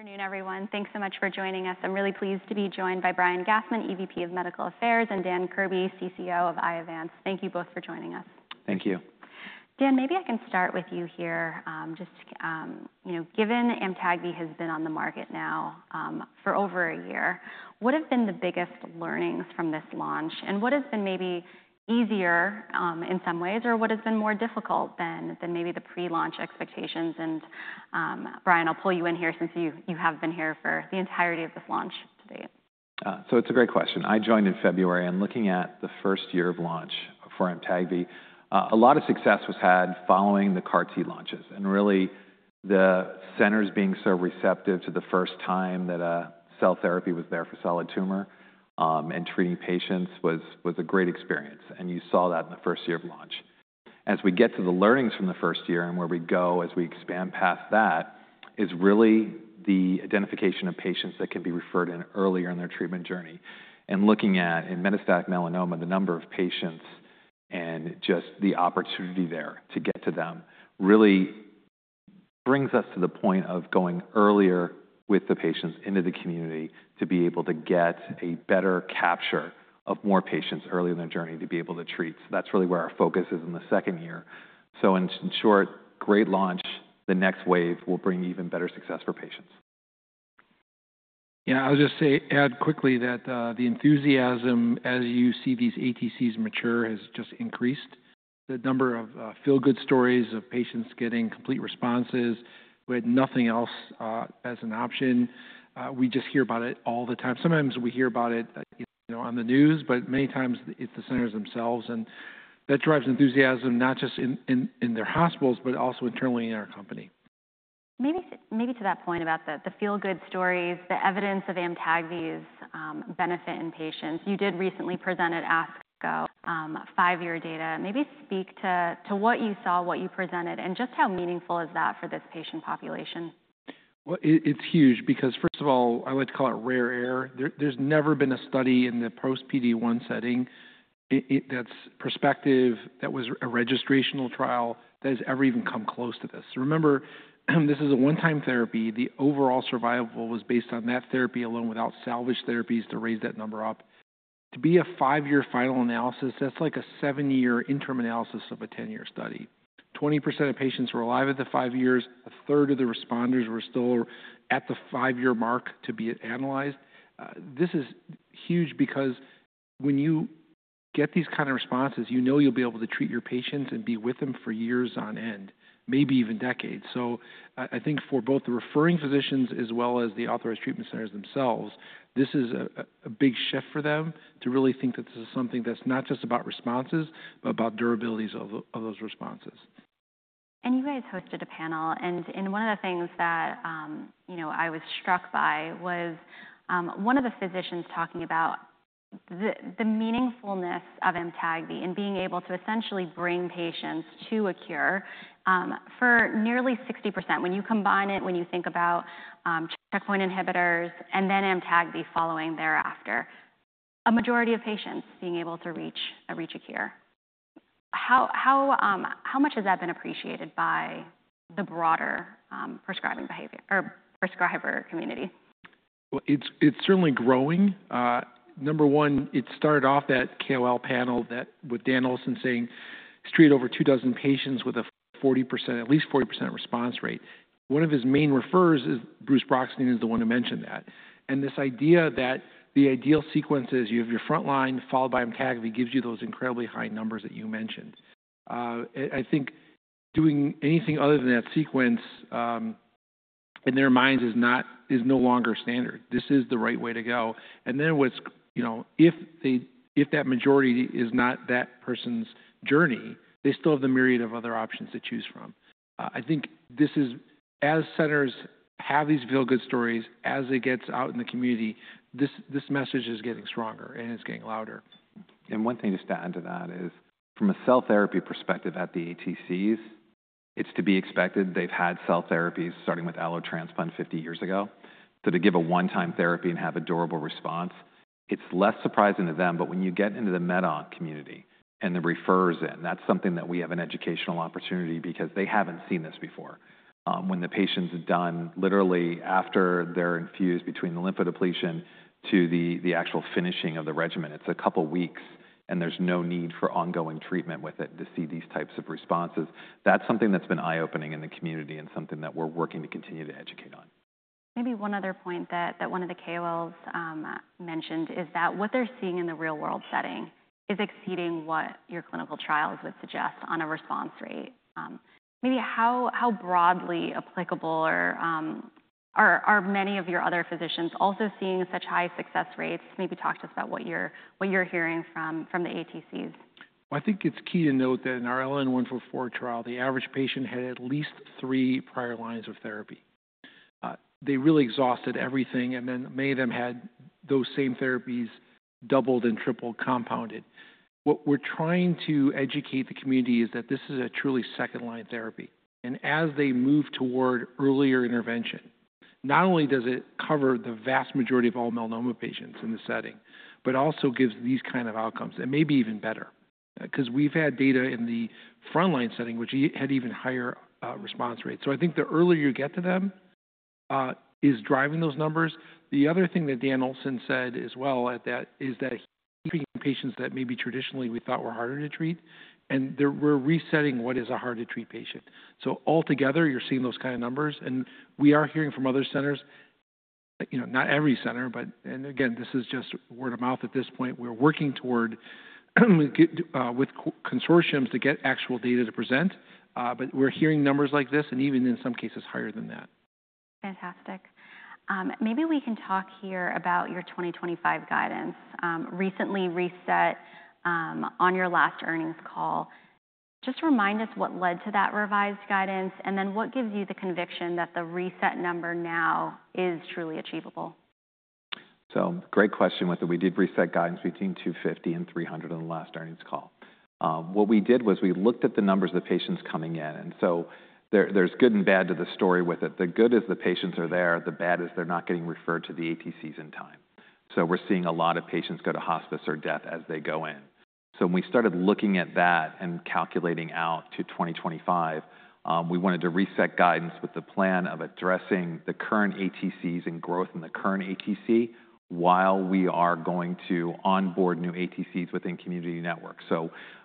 Afternoon, everyone. Thanks so much for joining us. I'm really pleased to be joined by Brian Gastman, EVP of Medical Affairs, and Dan Kirby, CCO of Iovance. Thank you both for joining us. Thank you. Dan, maybe I can start with you here. Just, you know, given AMTAGVI has been on the market now for over a year, what have been the biggest learnings from this launch? What has been maybe easier in some ways, or what has been more difficult than maybe the pre-launch expectations? Brian, I'll pull you in here since you have been here for the entirety of this launch to date. It's a great question. I joined in February, and looking at the first year of launch for AMTAGVI, a lot of success was had following the CAR T launches. Really, the centers being so receptive to the first time that cell therapy was there for solid tumor and treating patients was a great experience. You saw that in the first year of launch. As we get to the learnings from the first year and where we go as we expand past that, it is really the identification of patients that can be referred in earlier in their treatment journey. Looking at in metastatic melanoma, the number of patients and just the opportunity there to get to them really brings us to the point of going earlier with the patients into the community to be able to get a better capture of more patients early in their journey to be able to treat. That is really where our focus is in the second year. In short, great launch. The next wave will bring even better success for patients. Yeah, I'll just say, add quickly that the enthusiasm as you see these ATCs mature has just increased. The number of feel-good stories of patients getting complete responses. We had nothing else as an option. We just hear about it all the time. Sometimes we hear about it on the news, but many times it's the centers themselves. That drives enthusiasm not just in their hospitals, but also internally in our company. Maybe to that point about the feel-good stories, the evidence of AMTAGVI's benefit in patients. You did recently present at ASCO five-year data. Maybe speak to what you saw, what you presented, and just how meaningful is that for this patient population? It's huge because, first of all, I like to call it rare air. There's never been a study in the post-PD-1 setting that's prospective, that was a registrational trial that has ever even come close to this. Remember, this is a one-time therapy. The overall survival was based on that therapy alone without salvage therapies to raise that number up. To be a five-year final analysis, that's like a seven-year interim analysis of a 10-year study. 20% of patients were alive at five years. A third of the responders were still at the five-year mark to be analyzed. This is huge because when you get these kinds of responses, you know you'll be able to treat your patients and be with them for years on end, maybe even decades. I think for both the referring physicians as well as the authorized treatment centers themselves, this is a big shift for them to really think that this is something that's not just about responses, but about durabilities of those responses. You guys hosted a panel. One of the things that I was struck by was one of the physicians talking about the meaningfulness of AMTAGVI and being able to essentially bring patients to a cure for nearly 60%. When you combine it, when you think about checkpoint inhibitors and then AMTAGVI following thereafter, a majority of patients being able to reach a cure. How much has that been appreciated by the broader prescribing community? It is certainly growing. Number one, it started off that KOL panel with Dan Olson saying straight over two dozen patients with at least 40% response rate. One of his main referrers, Bruce Brockstein, is the one who mentioned that. This idea that the ideal sequence is you have your front line followed by AMTAGVI gives you those incredibly high numbers that you mentioned. I think doing anything other than that sequence in their minds is no longer standard. This is the right way to go. If that majority is not that person's journey, they still have the myriad of other options to choose from. I think as centers have these feel-good stories, as it gets out in the community, this message is getting stronger and it is getting louder. One thing to state into that is from a cell therapy perspective at the ATCs, it's to be expected. They've had cell therapies starting with allotransplant 50 years ago. To give a one-time therapy and have a durable response, it's less surprising to them. When you get into the med-on community and the referrers, that's something that we have an educational opportunity because they haven't seen this before. When the patient's done literally after they're infused between the lymphodepletion to the actual finishing of the regimen, it's a couple of weeks and there's no need for ongoing treatment with it to see these types of responses. That's something that's been eye-opening in the community and something that we're working to continue to educate on. Maybe one other point that one of the KOLs mentioned is that what they're seeing in the real-world setting is exceeding what your clinical trials would suggest on a response rate. Maybe how broadly applicable are many of your other physicians also seeing such high success rates? Maybe talk to us about what you're hearing from the ATCs. I think it's key to note that in our LN-144 trial, the average patient had at least three prior lines of therapy. They really exhausted everything. Many of them had those same therapies doubled and triple compounded. What we're trying to educate the community is that this is a truly second-line therapy. As they move toward earlier intervention, not only does it cover the vast majority of all melanoma patients in the setting, but also gives these kinds of outcomes and maybe even better. Because we've had data in the front line setting, which had even higher response rates. I think the earlier you get to them is driving those numbers. The other thing that Dan Olson said as well is that he's treating patients that maybe traditionally we thought were harder to treat. We're resetting what is a hard-to-treat patient. Altogether, you're seeing those kinds of numbers. We are hearing from other centers, not every center, but again, this is just word of mouth at this point. We're working toward with consortiums to get actual data to present. We're hearing numbers like this and even in some cases higher than that. Fantastic. Maybe we can talk here about your 2025 guidance. Recently reset on your last earnings call. Just remind us what led to that revised guidance and then what gives you the conviction that the reset number now is truly achievable. Great question with it. We did reset guidance between 250 and 300 on the last earnings call. What we did was we looked at the numbers of the patients coming in. And there is good and bad to the story with it. The good is the patients are there. The bad is they are not getting referred to the ATCs in time. We are seeing a lot of patients go to hospice or death as they go in. When we started looking at that and calculating out to 2025, we wanted to reset guidance with the plan of addressing the current ATCs and growth in the current ATC while we are going to onboard new ATCs within community networks.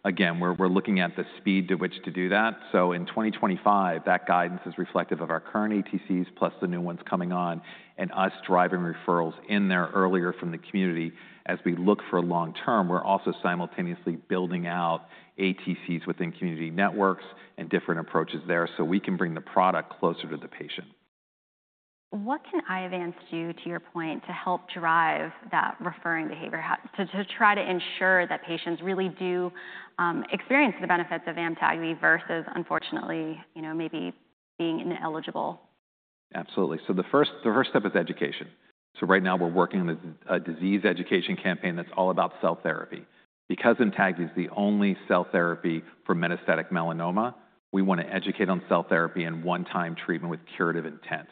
Again, we are looking at the speed to which to do that. In 2025, that guidance is reflective of our current ATCs plus the new ones coming on and us driving referrals in there earlier from the community as we look for long-term. We're also simultaneously building out ATCs within community networks and different approaches there so we can bring the product closer to the patient. What can Iovance do to your point to help drive that referring behavior, to try to ensure that patients really do experience the benefits of AMTAGVI versus unfortunately maybe being ineligible? Absolutely. The first step is education. Right now we're working on a disease education campaign that's all about cell therapy. Because AMTAGVI is the only cell therapy for metastatic melanoma, we want to educate on cell therapy and one-time treatment with curative intent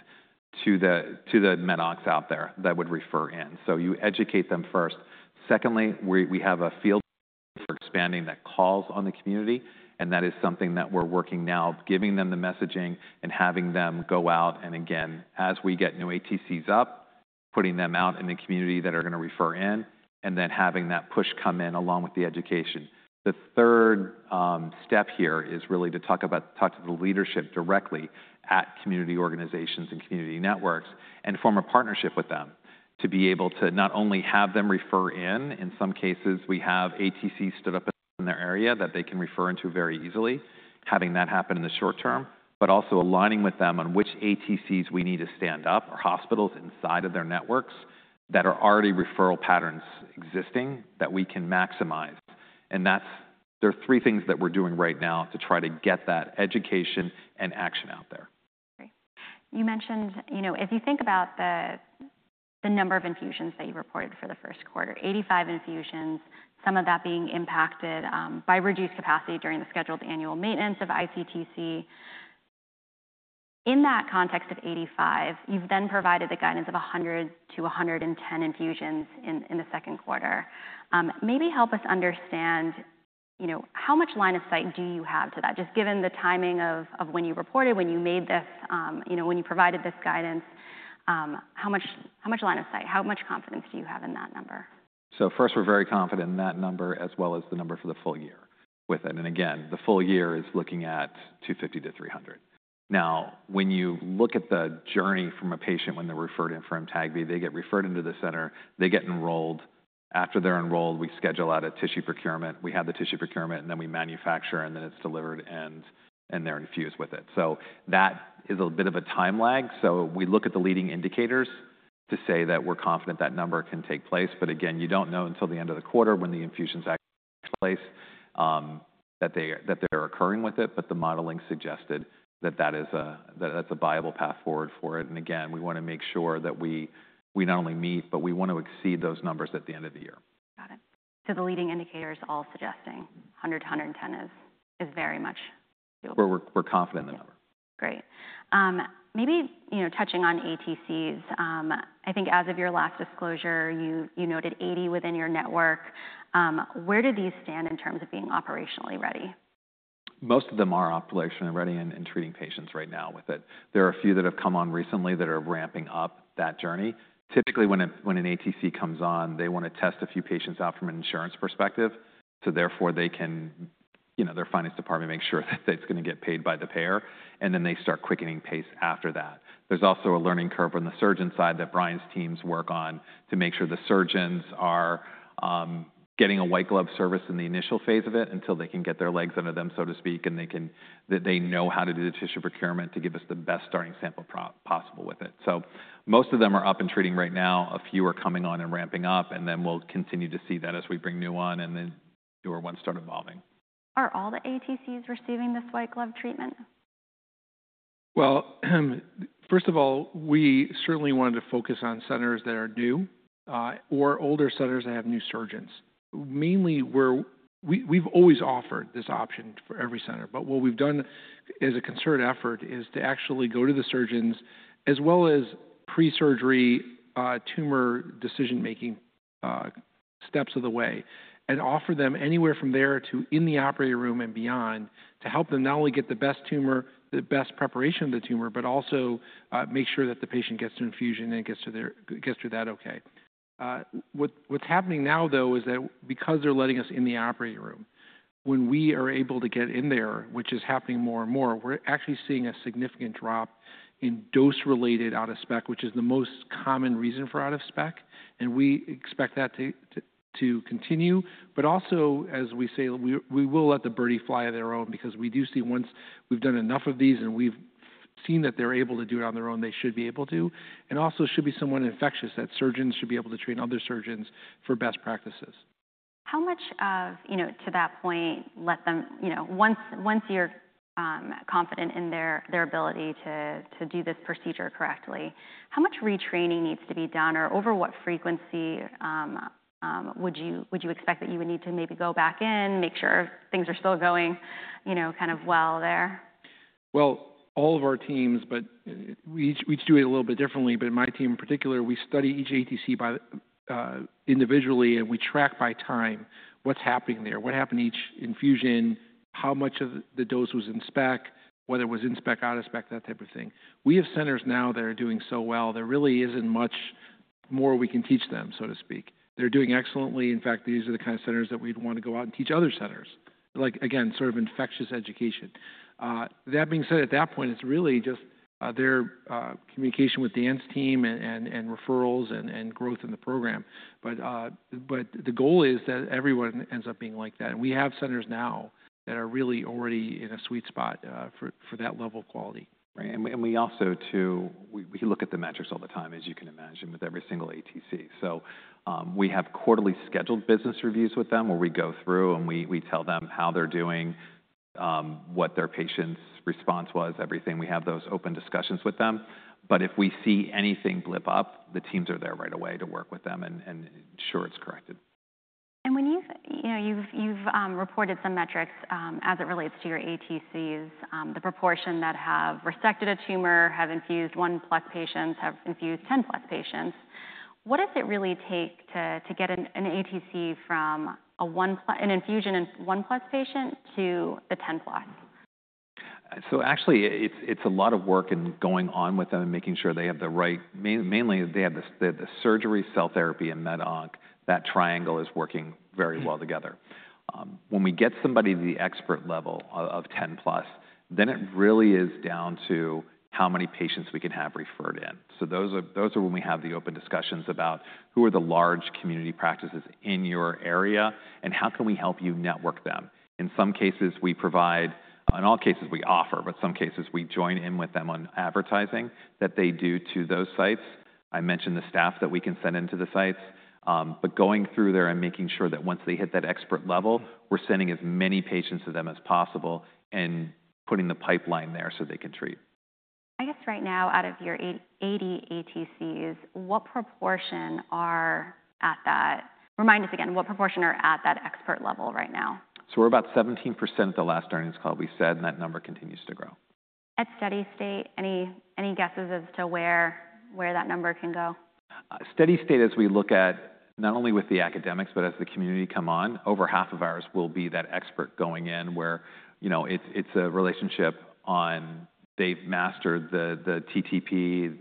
to the med oncs out there that would refer in. You educate them first. Secondly, we have a field for expanding that calls on the community. That is something that we're working now, giving them the messaging and having them go out. Again, as we get new ATCs up, putting them out in the community that are going to refer in and then having that push come in along with the education. The third step here is really to talk to the leadership directly at community organizations and community networks and form a partnership with them to be able to not only have them refer in. In some cases, we have ATCs stood up in their area that they can refer into very easily, having that happen in the short term, but also aligning with them on which ATCs we need to stand up or hospitals inside of their networks that are already referral patterns existing that we can maximize. There are three things that we're doing right now to try to get that education and action out there. You mentioned, you know, as you think about the number of infusions that you reported for the first quarter, 85 infusions, some of that being impacted by reduced capacity during the scheduled annual maintenance of iCTC. In that context of 85, you've then provided the guidance of 100-110 infusions in the second quarter. Maybe help us understand how much line of sight do you have to that, just given the timing of when you reported, when you made this, when you provided this guidance, how much line of sight, how much confidence do you have in that number? First, we're very confident in that number as well as the number for the full year with it. Again, the full year is looking at 250-300. Now, when you look at the journey from a patient when they're referred in for AMTAGVI, they get referred into the center, they get enrolled. After they're enrolled, we schedule out a tissue procurement. We have the tissue procurement, and then we manufacture, and then it's delivered and they're infused with it. That is a bit of a time lag. We look at the leading indicators to say that we're confident that number can take place. Again, you don't know until the end of the quarter when the infusions actually take place that they're occurring with it. The modeling suggested that that's a viable path forward for it. We want to make sure that we not only meet, but we want to exceed those numbers at the end of the year. Got it. So the leading indicators all suggesting 100-110 is very much achievable. We're confident in the number. Great. Maybe touching on ATCs, I think as of your last disclosure, you noted 80 within your network. Where do these stand in terms of being operationally ready? Most of them are operationally ready and treating patients right now with it. There are a few that have come on recently that are ramping up that journey. Typically, when an ATC comes on, they want to test a few patients out from an insurance perspective. Therefore, their finance department makes sure that it is going to get paid by the payer. They start quickening pace after that. There is also a learning curve on the surgeon side that Brian's teams work on to make sure the surgeons are getting a white glove service in the initial phase of it until they can get their legs under them, so to speak, and they know how to do the tissue procurement to give us the best starting sample possible with it. Most of them are up and treating right now. A few are coming on and ramping up. We will continue to see that as we bring new on and then newer ones start evolving. Are all the ATCs receiving this white glove treatment? First of all, we certainly wanted to focus on centers that are new or older centers that have new surgeons. Mainly, we've always offered this option for every center. What we've done as a concerted effort is to actually go to the surgeons as well as pre-surgery tumor decision-making steps of the way and offer them anywhere from there to in the operating room and beyond to help them not only get the best tumor, the best preparation of the tumor, but also make sure that the patient gets to infusion and gets to that okay. What's happening now, though, is that because they're letting us in the operating room, when we are able to get in there, which is happening more and more, we're actually seeing a significant drop in dose-related out-of-spec, which is the most common reason for out-of-spec. We expect that to continue. Also, as we say, we will let the birdie fly on their own because we do see once we've done enough of these and we've seen that they're able to do it on their own, they should be able to. It also should be somewhat infectious that surgeons should be able to train other surgeons for best practices. How much of, to that point, once you're confident in their ability to do this procedure correctly, how much retraining needs to be done or over what frequency would you expect that you would need to maybe go back in, make sure things are still going kind of well there? All of our teams, but we each do it a little bit differently. In my team in particular, we study each ATC individually and we track by time what's happening there, what happened each infusion, how much of the dose was in spec, whether it was in spec, out of spec, that type of thing. We have centers now that are doing so well. There really isn't much more we can teach them, so to speak. They're doing excellently. In fact, these are the kind of centers that we'd want to go out and teach other centers, like again, sort of infectious education. That being said, at that point, it's really just their communication with Dan's team and referrals and growth in the program. The goal is that everyone ends up being like that. We have centers now that are really already in a sweet spot for that level of quality. We also do, we look at the metrics all the time, as you can imagine, with every single ATC. We have quarterly scheduled business reviews with them where we go through and we tell them how they're doing, what their patient's response was, everything. We have those open discussions with them. If we see anything blip up, the teams are there right away to work with them and ensure it's corrected. When you've reported some metrics as it relates to your ATCs, the proportion that have resected a tumor, have infused one-plus patients, have infused ten-plus patients, what does it really take to get an ATC from an infusion in one-plus patient to the ten-plus? Actually, it's a lot of work in going on with them and making sure they have the right, mainly they have the surgery, cell therapy, and med onc, that triangle is working very well together. When we get somebody to the expert level of 10 plus, then it really is down to how many patients we can have referred in. Those are when we have the open discussions about who are the large community practices in your area and how can we help you network them. In some cases, we provide, in all cases, we offer, but some cases we join in with them on advertising that they do to those sites. I mentioned the staff that we can send into the sites. Going through there and making sure that once they hit that expert level, we're sending as many patients to them as possible and putting the pipeline there so they can treat. I guess right now, out of your 80 ATCs, what proportion are at that, remind us again, what proportion are at that expert level right now? We're about 17% at the last earnings call we said, and that number continues to grow. At steady state, any guesses as to where that number can go? Steady state, as we look at not only with the academics, but as the community come on, over half of ours will be that expert going in where it's a relationship on they've mastered the TTP,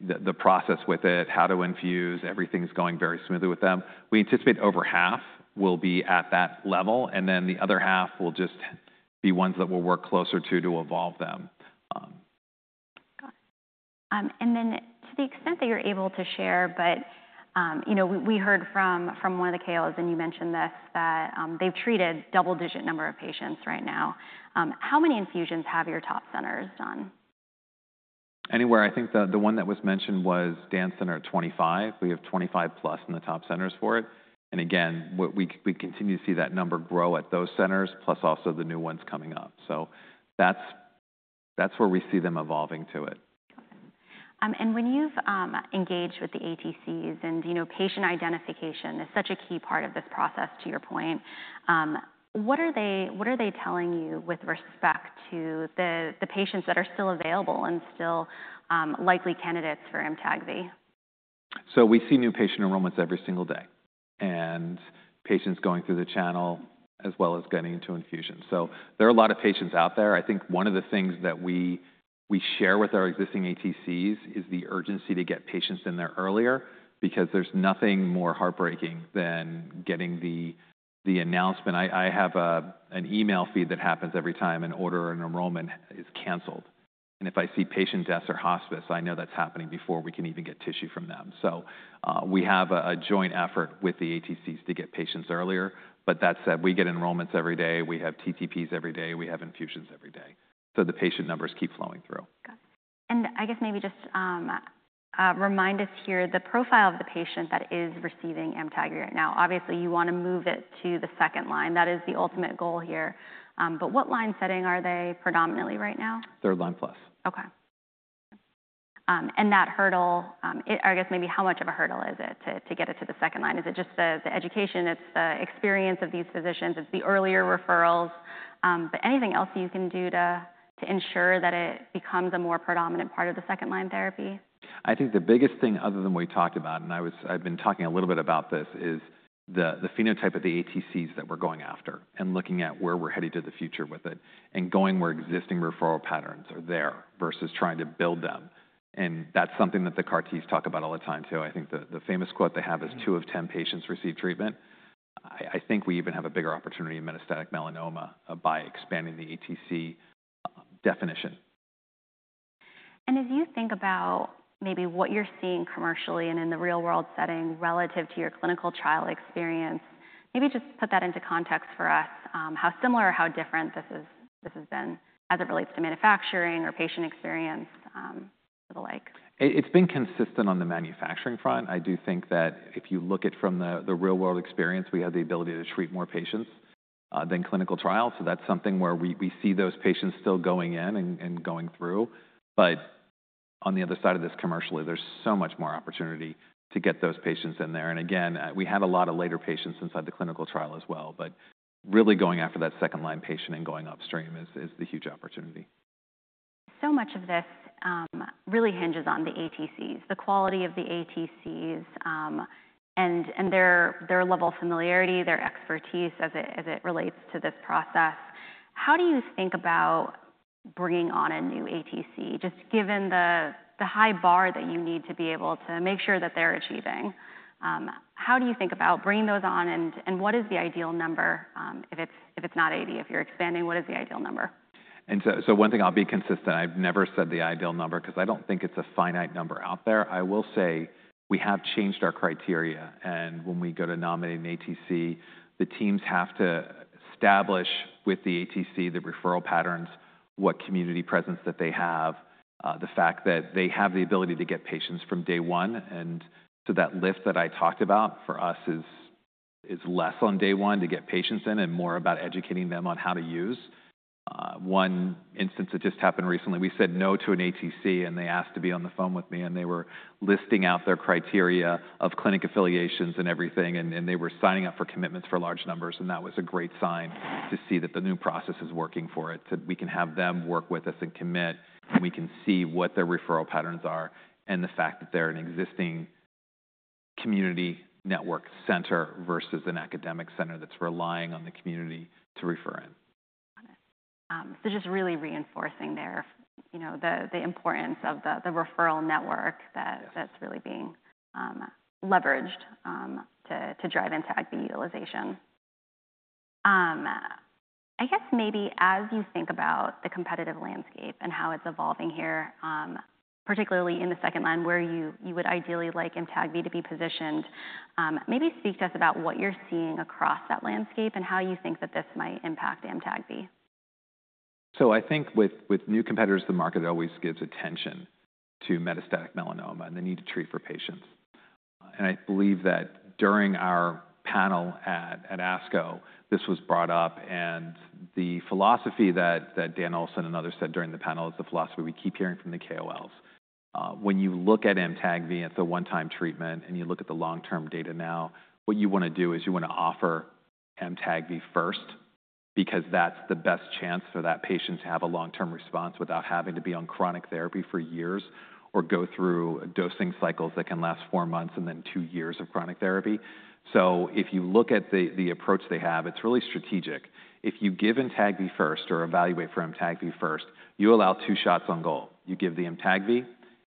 the process with it, how to infuse, everything's going very smoothly with them. We anticipate over half will be at that level. The other half will just be ones that we'll work closer to to evolve them. Got it. To the extent that you're able to share, but we heard from one of the KOLs, and you mentioned this, that they've treated double-digit number of patients right now. How many infusions have your top centers done? Anywhere, I think the one that was mentioned was Dan said at 25. We have 25-plus in the top centers for it. We continue to see that number grow at those centers, plus also the new ones coming up. That is where we see them evolving to it. When you've engaged with the ATCs and patient identification is such a key part of this process, to your point, what are they telling you with respect to the patients that are still available and still likely candidates for AMTAGVI? We see new patient enrollments every single day and patients going through the channel as well as getting into infusion. There are a lot of patients out there. I think one of the things that we share with our existing ATCs is the urgency to get patients in there earlier because there is nothing more heartbreaking than getting the announcement. I have an email feed that happens every time an order or an enrollment is canceled. If I see patient deaths or hospice, I know that is happening before we can even get tissue from them. We have a joint effort with the ATCs to get patients earlier. That said, we get enrollments every day. We have TTPs every day. We have infusions every day. The patient numbers keep flowing through. I guess maybe just remind us here, the profile of the patient that is receiving AMTAGVI right now. Obviously you want to move it to the second line. That is the ultimate goal here. What line setting are they predominantly right now? Third line plus. Okay. That hurdle, I guess maybe how much of a hurdle is it to get it to the second line? Is it just the education? It is the experience of these physicians. It is the earlier referrals. Anything else you can do to ensure that it becomes a more predominant part of the second line therapy? I think the biggest thing other than what we talked about, and I've been talking a little bit about this, is the phenotype of the ATCs that we're going after and looking at where we're heading to the future with it and going where existing referral patterns are there versus trying to build them. That is something that the CAR T's talk about all the time, too. I think the famous quote they have is, "Two of ten patients receive treatment." I think we even have a bigger opportunity in metastatic melanoma by expanding the ATC definition. As you think about maybe what you're seeing commercially and in the real-world setting relative to your clinical trial experience, maybe just put that into context for us, how similar or how different this has been as it relates to manufacturing or patient experience or the like. It's been consistent on the manufacturing front. I do think that if you look at it from the real-world experience, we have the ability to treat more patients than clinical trials. That's something where we see those patients still going in and going through. On the other side of this commercially, there's so much more opportunity to get those patients in there. Again, we have a lot of later patients inside the clinical trial as well. Really going after that second line patient and going upstream is the huge opportunity. So much of this really hinges on the ATCs, the quality of the ATCs and their level of familiarity, their expertise as it relates to this process. How do you think about bringing on a new ATC, just given the high bar that you need to be able to make sure that they're achieving? How do you think about bringing those on and what is the ideal number if it's not 80? If you're expanding, what is the ideal number? One thing, I'll be consistent. I've never said the ideal number because I don't think it's a finite number out there. I will say we have changed our criteria. When we go to nominate an ATC, the teams have to establish with the ATC the referral patterns, what community presence they have, the fact that they have the ability to get patients from day one. That lift that I talked about for us is less on day one to get patients in and more about educating them on how to use. One instance that just happened recently, we said no to an ATC and they asked to be on the phone with me. They were listing out their criteria of clinic affiliations and everything. They were signing up for commitments for large numbers. That was a great sign to see that the new process is working for it, that we can have them work with us and commit. We can see what their referral patterns are and the fact that they're an existing community network center versus an academic center that's relying on the community to refer in. Just really reinforcing there the importance of the referral network that's really being leveraged to drive AMTAGVI utilization. I guess maybe as you think about the competitive landscape and how it's evolving here, particularly in the second line where you would ideally like AMTAGVI to be positioned, maybe speak to us about what you're seeing across that landscape and how you think that this might impact AMTAGVI. I think with new competitors, the market always gives attention to metastatic melanoma and the need to treat for patients. I believe that during our panel at ASCO, this was brought up. The philosophy that Dan Olson and others said during the panel is the philosophy we keep hearing from the KOLs. When you look at AMTAGVI, it's a one-time treatment and you look at the long-term data now, what you want to do is you want to offer AMTAGVI first because that's the best chance for that patient to have a long-term response without having to be on chronic therapy for years or go through dosing cycles that can last four months and then two years of chronic therapy. If you look at the approach they have, it's really strategic. If you give AMTAGVI first or evaluate for AMTAGVI first, you allow two shots on goal. You give the AMTAGVI.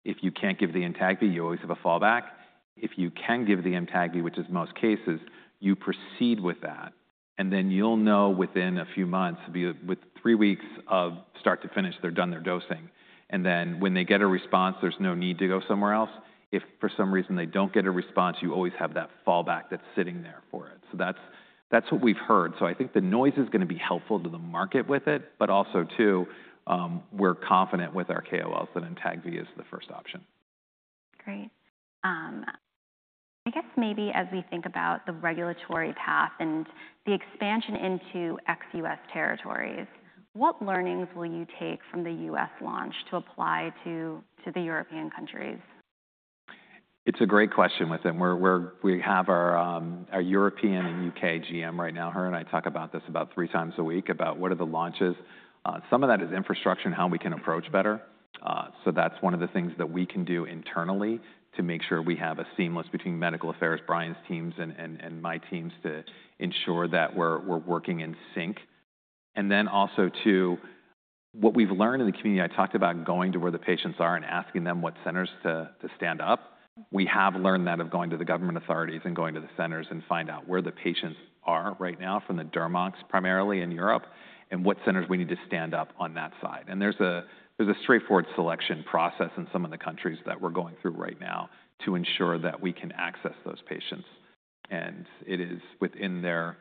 If you cannot give the AMTAGVI, you always have a fallback. If you can give the AMTAGVI, which is most cases, you proceed with that. You will know within a few months, with three weeks of start to finish, they are done their dosing. When they get a response, there is no need to go somewhere else. If for some reason they do not get a response, you always have that fallback that is sitting there for it. That is what we have heard. I think the noise is going to be helpful to the market with it, but also, we are confident with our KOLs that AMTAGVI is the first option. Great. I guess maybe as we think about the regulatory path and the expansion into ex-U.S. territories, what learnings will you take from the U.S. launch to apply to the European countries? It's a great question with them. We have our European and U.K. GM right now. Her and I talk about this about three times a week about what are the launches. Some of that is infrastructure and how we can approach better. That's one of the things that we can do internally to make sure we have a seamless between medical affairs, Brian's teams and my teams to ensure that we're working in sync. Also, to what we've learned in the community, I talked about going to where the patients are and asking them what centers to stand up. We have learned that of going to the government authorities and going to the centers and find out where the patients are right now from the dermocs primarily in Europe and what centers we need to stand up on that side. There is a straightforward selection process in some of the countries that we are going through right now to ensure that we can access those patients. It is within their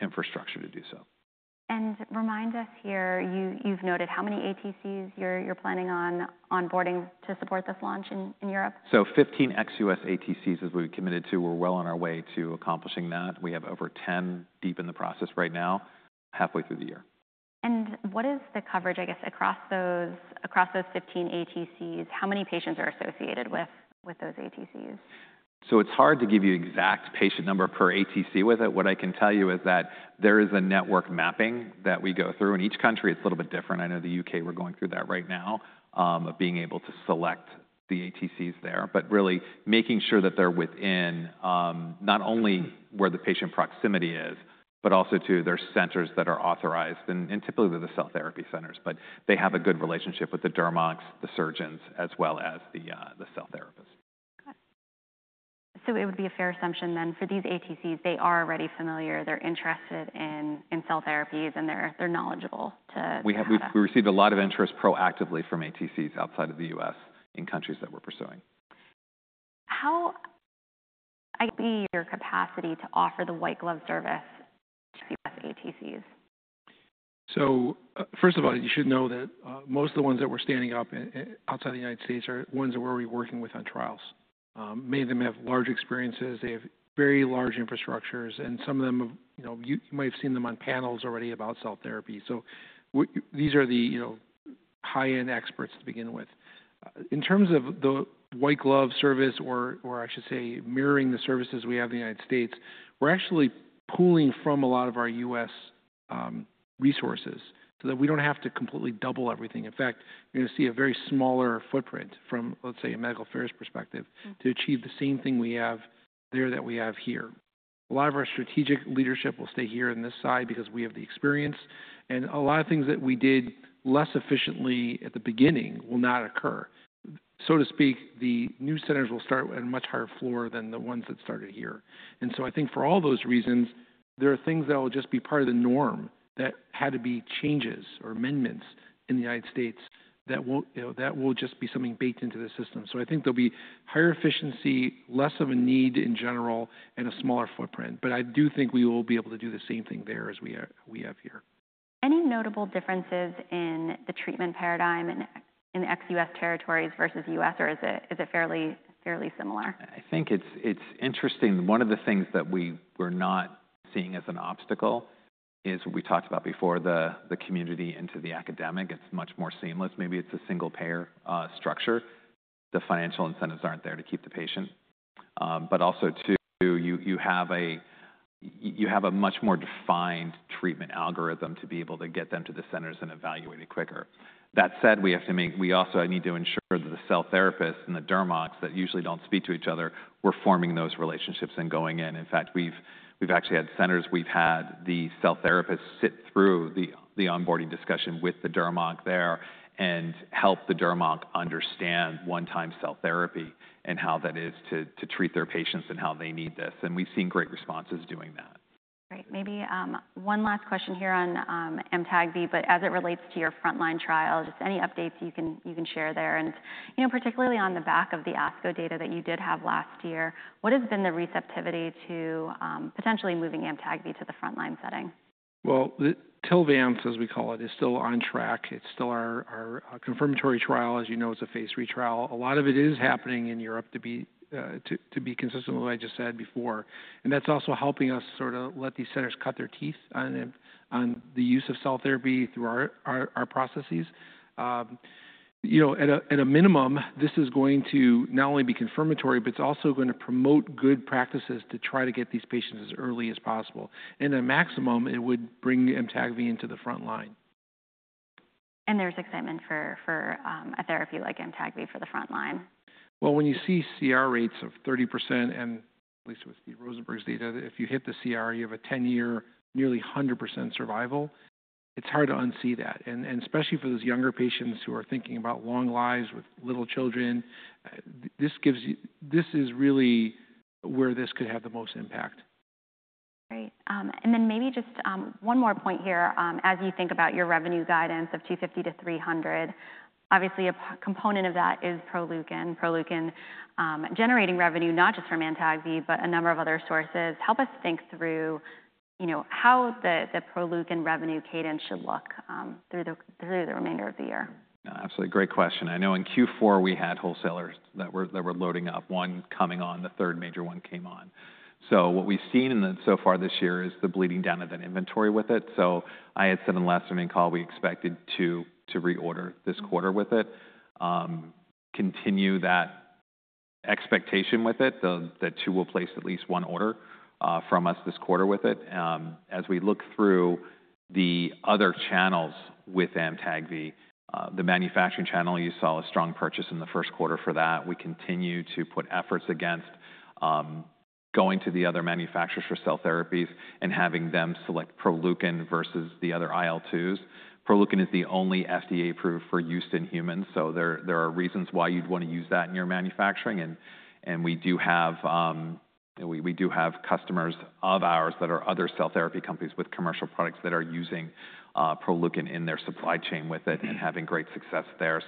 infrastructure to do so. Remind us here, you've noted how many ATCs you're planning on onboarding to support this launch in Europe? 15 ex-U.S. ATCs as we've committed to. We're well on our way to accomplishing that. We have over 10 deep in the process right now, halfway through the year. What is the coverage, I guess, across those 15 ATCs? How many patients are associated with those ATCs? It's hard to give you an exact patient number per ATC with it. What I can tell you is that there is a network mapping that we go through. In each country, it's a little bit different. I know the U.K., we're going through that right now of being able to select the ATCs there, but really making sure that they're within not only where the patient proximity is, but also to their centers that are authorized. Typically they're the cell therapy centers, but they have a good relationship with the dermocs, the surgeons, as well as the cell therapists. It would be a fair assumption then for these ATCs, they are already familiar. They're interested in cell therapies and they're knowledgeable too. We received a lot of interest proactively from ATCs outside of the U.S. in countries that we're pursuing. How be your capacity to offer the white glove service to U.S. ATCs? First of all, you should know that most of the ones that we are standing up outside the United States are ones that we are already working with on trials. Many of them have large experiences. They have very large infrastructures. Some of them, you might have seen them on panels already about cell therapy. These are the high-end experts to begin with. In terms of the white glove service, or I should say mirroring the services we have in the United States, we are actually pooling from a lot of our U.S. resources so that we do not have to completely double everything. In fact, you are going to see a much smaller footprint from, let's say, a medical affairs perspective to achieve the same thing we have there that we have here. A lot of our strategic leadership will stay here on this side because we have the experience. A lot of things that we did less efficiently at the beginning will not occur, so to speak. The new centers will start at a much higher floor than the ones that started here. I think for all those reasons, there are things that will just be part of the norm that had to be changes or amendments in the United States that will just be something baked into the system. I think there will be higher efficiency, less of a need in general, and a smaller footprint. I do think we will be able to do the same thing there as we have here. Any notable differences in the treatment paradigm in ex-U.S. territories versus U.S., or is it fairly similar? I think it's interesting. One of the things that we were not seeing as an obstacle is what we talked about before, the community into the academic. It's much more seamless. Maybe it's a single payer structure. The financial incentives aren't there to keep the patient. Also, you have a much more defined treatment algorithm to be able to get them to the centers and evaluate it quicker. That said, we also need to ensure that the cell therapists and the derm docs that usually don't speak to each other are forming those relationships and going in. In fact, we've actually had centers. We've had the cell therapists sit through the onboarding discussion with the derm doc there and help the derm doc understand one-time cell therapy and how that is to treat their patients and how they need this. We've seen great responses doing that. Great. Maybe one last question here on AMTAGVI, but as it relates to your frontline trial, just any updates you can share there? Particularly on the back of the ASCO data that you did have last year, what has been the receptivity to potentially moving AMTAGVI to the frontline setting? TILVANCE, as we call it, is still on track. It's still our confirmatory trial. As you know, it's a phase III trial. A lot of it is happening in Europe to be consistent with what I just said before. That is also helping us sort of let these centers cut their teeth on the use of cell therapy through our processes. At a minimum, this is going to not only be confirmatory, but it's also going to promote good practices to try to get these patients as early as possible. At maximum, it would bring AMTAGVI into the frontline. There is excitement for a therapy like AMTAGVI for the frontline. When you see CR rates of 30%, and at least with Rosenberg's data, if you hit the CR, you have a 10-year, nearly 100% survival. It's hard to unsee that. Especially for those younger patients who are thinking about long lives with little children, this is really where this could have the most impact. Great. Maybe just one more point here as you think about your revenue guidance of $250 million-$300 million. Obviously, a component of that is Proleukin. Proleukin generating revenue, not just from AMTAGVI, but a number of other sources. Help us think through how the Proleukin revenue cadence should look through the remainder of the year. Absolutely. Great question. I know in Q4 we had wholesalers that were loading up. One coming on, the third major one came on. What we've seen so far this year is the bleeding down of that inventory with it. I had said in the last Zoom call we expected to reorder this quarter with it, continue that expectation with it, that two will place at least one order from us this quarter with it. As we look through the other channels with AMTAGVI, the manufacturing channel, you saw a strong purchase in the first quarter for that. We continue to put efforts against going to the other manufacturers for cell therapies and having them select Proleukin versus the other IL-2s. Proleukin is the only FDA approved for use in humans. There are reasons why you'd want to use that in your manufacturing. We do have customers of ours that are other cell therapy companies with commercial products that are using Proleukin in their supply chain with it and having great success there.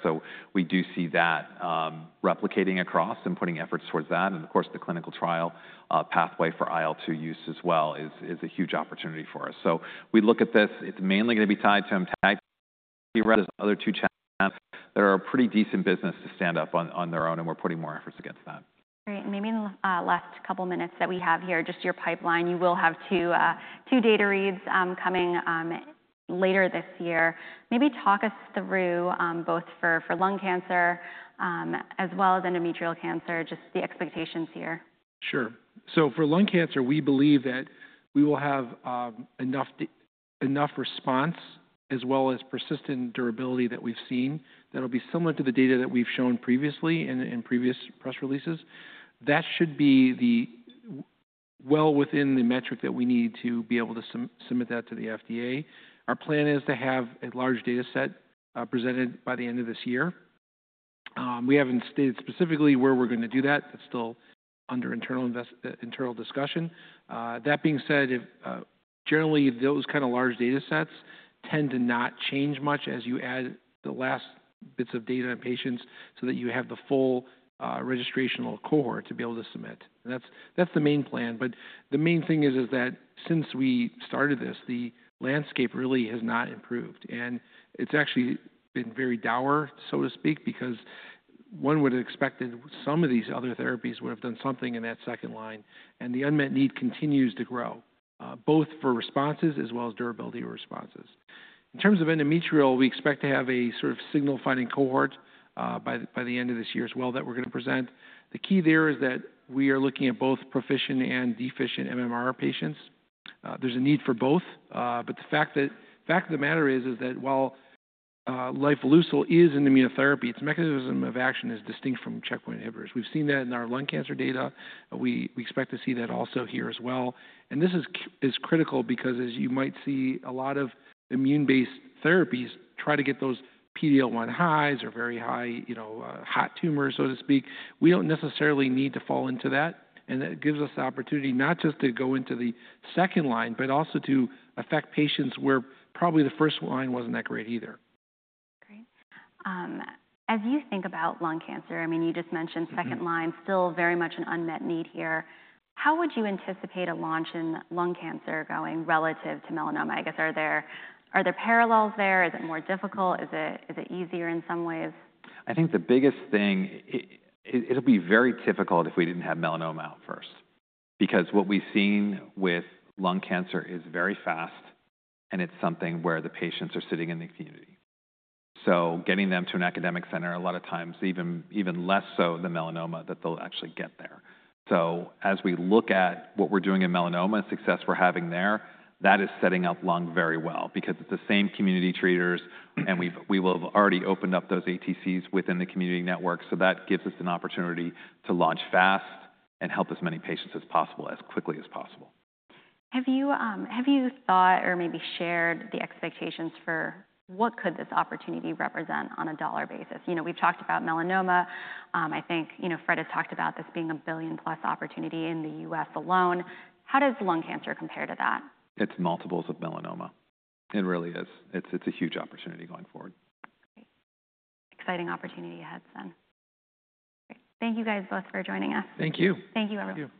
We do see that replicating across and putting efforts towards that. Of course, the clinical trial pathway for IL-2 use as well is a huge opportunity for us. We look at this. It's mainly going to be tied to AMTAGVI. Those other two channels are a pretty decent business to stand up on their own, and we're putting more efforts against that. Great. Maybe in the last couple of minutes that we have here, just your pipeline, you will have two data reads coming later this year. Maybe talk us through both for lung cancer as well as endometrial cancer, just the expectations here. Sure. So for lung cancer, we believe that we will have enough response as well as persistent durability that we've seen that'll be similar to the data that we've shown previously in previous press releases. That should be well within the metric that we need to be able to submit that to the FDA. Our plan is to have a large data set presented by the end of this year. We haven't stated specifically where we're going to do that. That's still under internal discussion. That being said, generally, those kind of large data sets tend to not change much as you add the last bits of data on patients so that you have the full registrational cohort to be able to submit. That's the main plan. The main thing is that since we started this, the landscape really has not improved. It has actually been very dour, so to speak, because one would have expected some of these other therapies would have done something in that second line. The unmet need continues to grow, both for responses as well as durability of responses. In terms of endometrial, we expect to have a sort of signal-finding cohort by the end of this year as well that we are going to present. The key there is that we are looking at both proficient and deficient MMR patients. There is a need for both. The fact of the matter is that while lifileucel is an immunotherapy, its mechanism of action is distinct from checkpoint inhibitors. We have seen that in our lung cancer data. We expect to see that also here as well. This is critical because, as you might see, a lot of immune-based therapies try to get those PD-L1 highs or very high hot tumors, so to speak. We do not necessarily need to fall into that. That gives us the opportunity not just to go into the second line, but also to affect patients where probably the first line was not that great either. Great. As you think about lung cancer, I mean, you just mentioned second line, still very much an unmet need here. How would you anticipate a launch in lung cancer going relative to melanoma? I guess, are there parallels there? Is it more difficult? Is it easier in some ways? I think the biggest thing, it'll be very difficult if we didn't have melanoma out first because what we've seen with lung cancer is very fast, and it's something where the patients are sitting in the community. Getting them to an academic center, a lot of times, even less so than melanoma, that they'll actually get there. As we look at what we're doing in melanoma, success we're having there, that is setting up lung very well because it's the same community treaters, and we will have already opened up those ATCs within the community network. That gives us an opportunity to launch fast and help as many patients as possible as quickly as possible. Have you thought or maybe shared the expectations for what could this opportunity represent on a dollar basis? We've talked about melanoma. I think Fred has talked about this being a billion-plus opportunity in the U.S. alone. How does lung cancer compare to that? It's multiples of melanoma. It really is. It's a huge opportunity going forward. Exciting opportunity ahead then. Thank you guys both for joining us. Thank you. Thank you, everyone.